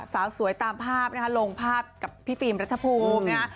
สาวสวยตามภาพนะคะลงภาพกับพี่ฟิล์มรัฐภูมินะฮะ